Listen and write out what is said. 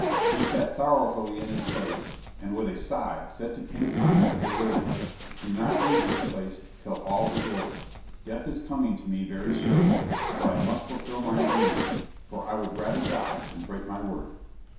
He sat sorrowfully in his place, and with a sigh said to King Conor as they waited: "Do not leave this place till all is over. Death is coming to me very surely, but I must fulfil my agreement, for I would rather die than break my word."